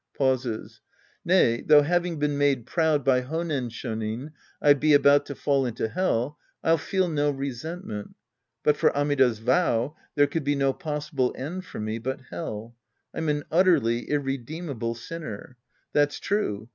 {Pauses^ Nay, though having been made proud by Honen Shonin, I be about to fall into Hell, I'll feel no resentment. But for Amida's vow, there could be no possible end for me but Hell. I'm an utterly irredeemable sinner. That's true.